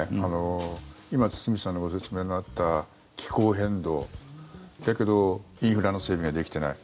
今、堤さんのご説明にあった気候変動だけど、インフラの整備ができていない。